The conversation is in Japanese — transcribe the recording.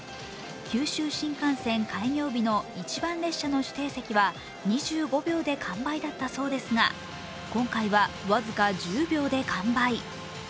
九州新幹線開業日の一番列車の指定席は２５秒で完売だったそうですが、今回は僅か１０秒で完売。